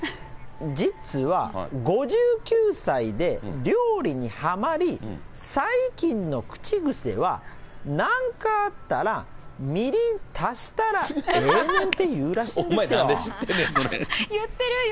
実は、５９歳で料理にはまり、最近の口癖は、なんかあったら、みりん足したらええねんっていうらしいんですよ。